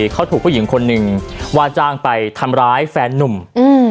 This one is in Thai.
เขาถูกผู้หญิงคนหนึ่งว่าจ้างไปทำร้ายแฟนนุ่มอืม